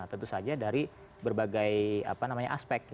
tentu saja dari berbagai aspek